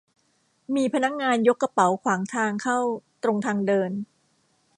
มีพนักงานยกกระเป๋าขวางทางเข้าตรงทางเดิน